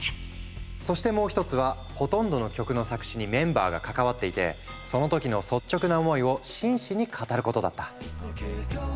そしてもう一つはほとんどの曲の作詞にメンバーが関わっていてその時の率直な思いを真摯に語ることだった。